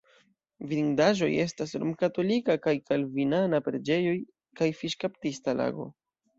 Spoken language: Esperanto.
Vidindaĵoj estas romkatolika kaj kalvinana preĝejoj kaj fiŝkaptista lago.